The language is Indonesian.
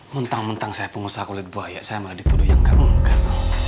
mentang mentang saya pengusaha kulit buaya saya malah dituduh yang gabungkan